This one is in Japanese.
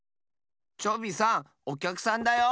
チョビさんおきゃくさんだよ。